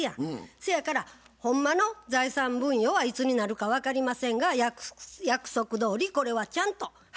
そやからほんまの財産分与はいつになるか分かりませんが約束どおりこれはちゃんと半分もらえます。